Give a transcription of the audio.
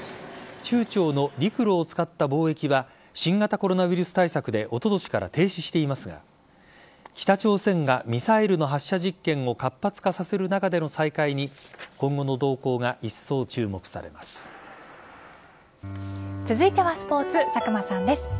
中朝の陸路を使った貿易は新型コロナウイルス対策でおととしから停止していますが北朝鮮がミサイルの発射実験を活発化させる中での再開に今後の動向が続いてはスポーツ佐久間さんです。